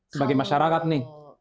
sebagai masyarakat nih